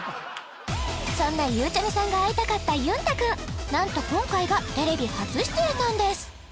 そんなゆうちゃみさんが会いたかったゆんたくんなんと今回がテレビ初出演なんです！